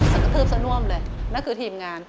กระทืบซะน่วมเลยนั่นคือทีมงาน